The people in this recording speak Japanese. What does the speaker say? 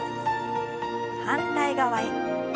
反対側へ。